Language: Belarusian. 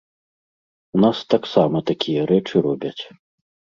У нас таксама такія рэчы робяць.